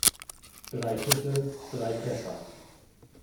Drei Schüsse, drei Treffer.